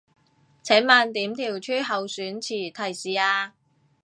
請問點調出候選詞提示啊